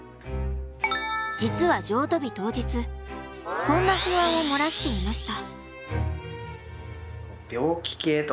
実は譲渡日当日こんな不安を漏らしていました。